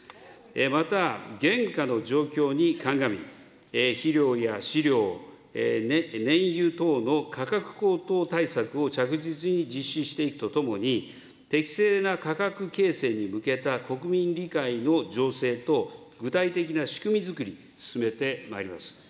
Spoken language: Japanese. また、現下の状況に鑑み、肥料や飼料、燃油等の価格高騰対策を着実に実施していくとともに、適正な価格形成に向けた国民理解の醸成と、具体的な仕組みづくりを進めてまいります。